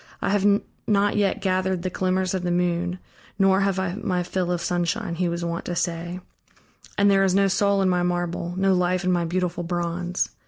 "I have not yet gathered the glimmers of the moon, nor have I my fill of sunshine," he was wont to say, "and there is no soul in my marble, no life in my beautiful bronze."